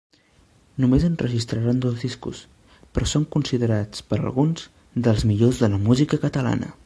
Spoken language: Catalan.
Només enregistraren dos discos però són considerats per alguns dels millors de la música catalana.